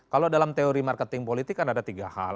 kalau dalam teori marketing politik kan ada tiga hal